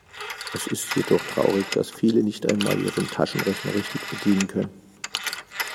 Es ist jedoch traurig, dass viele nicht einmal ihren Taschenrechner richtig bedienen können.